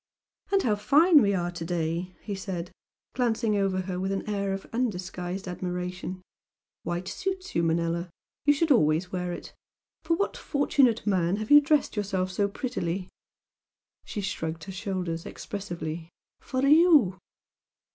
"And how fine we are to day!" he said, glancing over her with an air of undisguised admiration "White suits you, Manella! You should always wear it! For what fortunate man have you dressed yourself so prettily?" She shrugged her shoulders expressively "For you!"